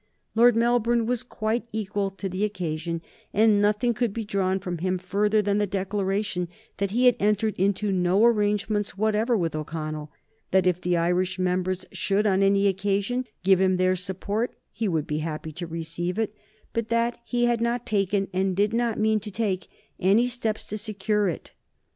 Lord Melbourne was quite equal to the occasion, and nothing could be drawn from him further than the declaration that he had entered into no arrangements whatever with O'Connell; that if the Irish members should, on any occasion, give him their support, he should be happy to receive it, but that he had not taken and did not mean to take any steps to secure it.